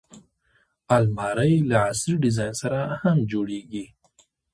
الماري له عصري ډیزاین سره هم جوړیږي